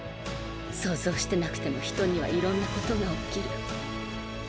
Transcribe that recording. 想像してなくても人にはいろんなことが起きる。